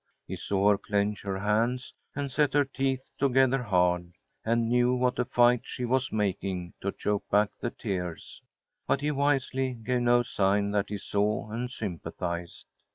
He saw her clench her hands and set her teeth together hard, and knew what a fight she was making to choke back the tears, but he wisely gave no sign that he saw and sympathized.